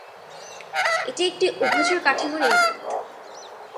এটি একটি উভচর কাঠামোর ইমারত।